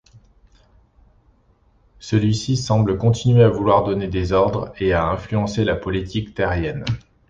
Celui-ci semble continuer à vouloir donner des ordres et à influencer la politique terrienne.